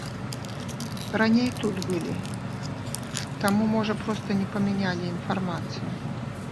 Раней тут былі, таму можа проста не памянялі інфармацыю.